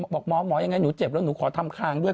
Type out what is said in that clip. บอกหมอหมอยังไงหนูเจ็บแล้วหนูขอทำคางด้วย